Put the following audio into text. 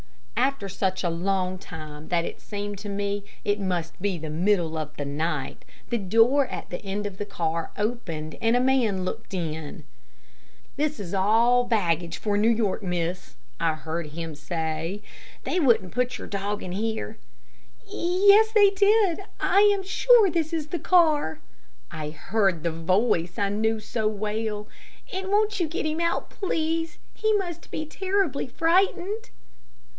After such a long time that it seemed to me it must be the middle of the night, the door at the end of the car opened, and a man looked in. "This is all through baggage for New York, miss," I heard him say; "they wouldn't put your dog in here." "Yes, they did I am sure this is the car," I heard in the voice I knew so well; "and won't you get him out, please? He must be terribly frightened."